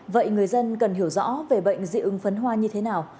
vậy người dân cần hiểu rõ về bệnh dị ứng phấn hoa như thế nào